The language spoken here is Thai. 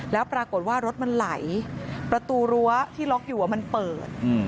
แล้วปรากฏว่ารถมันไหลประตูรั้วที่ล็อกอยู่มันเปิด